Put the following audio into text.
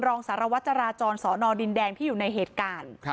รองสารวัตรจราจรสอนอดินแดงที่อยู่ในเหตุการณ์